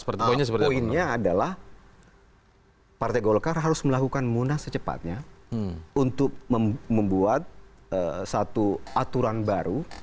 pertama poinnya adalah partai golkar harus melakukan munas secepatnya untuk membuat satu aturan baru